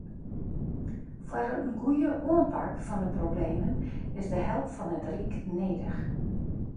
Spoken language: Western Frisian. Foar in goeie oanpak fan de problemen is de help fan it ryk nedich.